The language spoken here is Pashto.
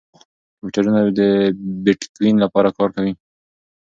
کمپیوټرونه د بېټکوین لپاره کار کوي.